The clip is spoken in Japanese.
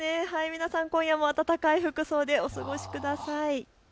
皆さん、今夜も暖かい服装でお過ごしください。